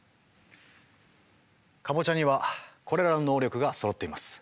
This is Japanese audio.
カボチャにはこれらの能力がそろっています。